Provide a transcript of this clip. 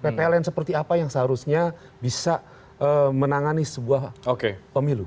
ppln seperti apa yang seharusnya bisa menangani sebuah pemilu